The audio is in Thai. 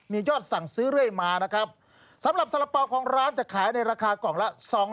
มียอดสั่งซื้อเรื่อยมานะครับสำหรับสาระเป๋าของร้านจะขายในราคากล่องละ